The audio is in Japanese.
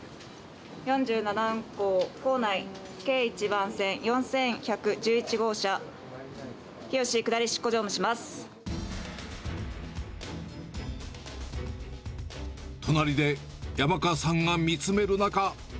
４７運行構内Ｋ１番線４１１１号車、隣で山川さんが見つめる中。